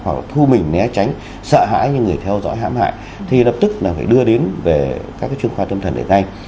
hoặc là thu mình né tránh sợ hãi những người theo dõi hãm hại thì lập tức là phải đưa đến về các trường khoa tâm thần này ngay